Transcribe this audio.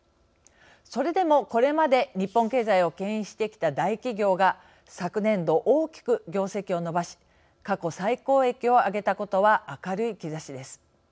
それでもこれまで日本経済をけん引してきた大企業が昨年度大きく業績を伸ばし過去最高益を上げたことは明るい兆しです。